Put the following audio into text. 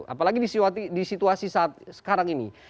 apalagi di situasi saat sekarang ini